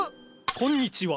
こんにちは。